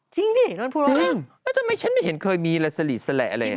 จริงนี่มันพูดแล้วแล้วทำไมฉันไม่เห็นเคยมีสลิสละเลยอะไรวะ